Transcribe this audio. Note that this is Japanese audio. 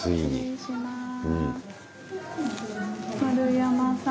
失礼します。